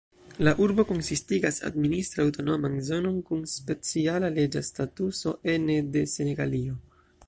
La urbo konsistigas administre aŭtonoman zonon kun speciala leĝa statuso ene de Senegalio.